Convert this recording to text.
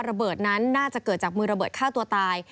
ระเบิดนั้นน่าจะเกิดจากมือระเบิดฆ่าตัวตาย